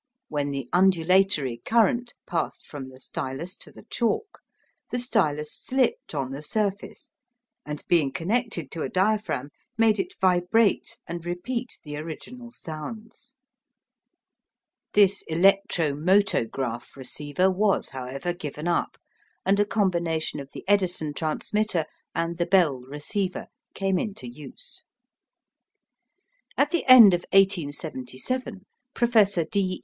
When the undulatory current passed from the stylus to the chalk, the stylus slipped on the surface, and, being connected to a diaphragm, made it vibrate and repeat the original sounds. This "electro motograph" receiver was, however, given up, and a combination of the Edison transmitter and the Bell receiver came into use. At the end of 1877 Professor D.